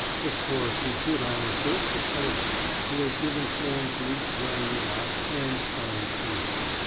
Of course we should honour first the playwright, who has given form to each well knit act and telling scene.